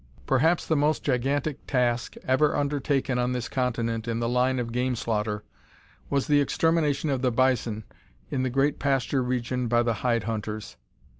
Perhaps the most gigantic task ever undertaken on this continent in the line of game slaughter was the extermination of the bison in the great pasture region by the hide hunters.